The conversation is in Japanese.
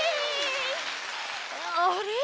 あれ？